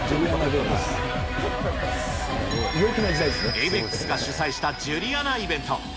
エイベックスが主催したジュリアナイベント。